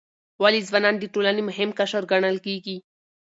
ولې ځوانان د ټولنې مهم قشر ګڼل کیږي؟